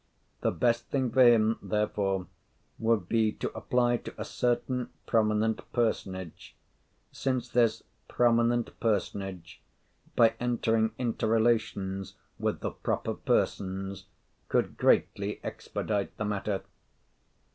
The best thing for him, therefore, would be to apply to a certain prominent personage; since this prominent personage, by entering into relations with the proper persons, could greatly expedite the matter.